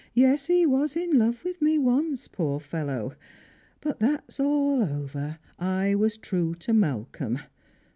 Yes, he was in love with me once, poor fellow ! But that's all over. I was true to Malcolm.'